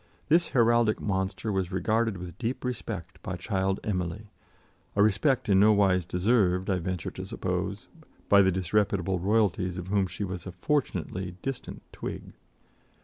This heraldic monster was regarded with deep respect by child Emily, a respect in no wise deserved, I venture to suppose, by the disreputable royalties of whom she was a fortunately distant twig.